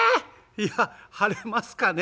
「いや晴れますかね？」。